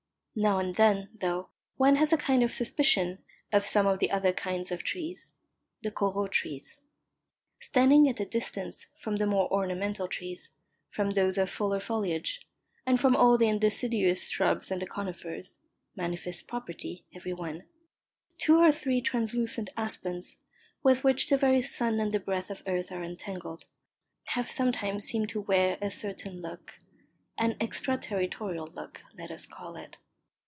Now and then, though, one has a kind of suspicion of some of the other kinds of trees the Corot trees. Standing at a distance from the more ornamental trees, from those of fuller foliage, and from all the indeciduous shrubs and the conifers (manifest property, every one), two or three translucent aspens, with which the very sun and the breath of earth are entangled, have sometimes seemed to wear a certain look an extra territorial look, let us call it.